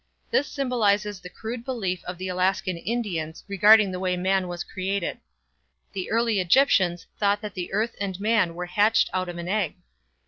This symbolizes the crude belief of the Alaskan Indians regarding the way man was created. The early Egyptians thought that the earth and man were hatched out of an egg.